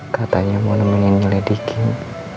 katanya mau nemuin lady king